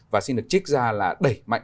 và xin được trích ra là đẩy mạnh